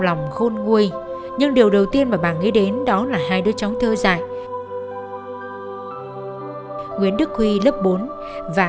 lòng khôn nguôi nhưng điều đầu tiên mà bà nghĩ đến đó là hai đứa cháu thơ dạy nguyễn đức huy lớp bốn và